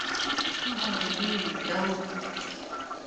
J’ai cru entendre un bruit là-haut !